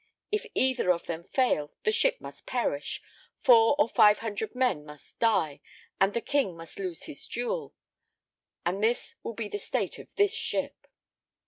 If either of them fail, the ship must perish, 4 or 500 men must die, and the King must lose his Jewel; and this will be the state of this ship.